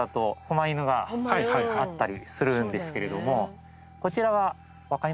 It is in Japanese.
あったりするんですけれども。